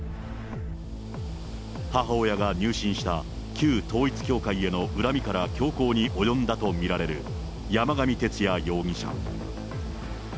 母親が入信した旧統一教会への恨みから凶行に及んだと見られる、山上徹也容疑者。